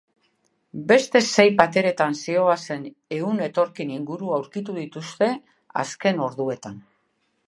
Beste sei pateratan zihoazen ehun etorkin inguru aurkitu dituzte azken orduetan.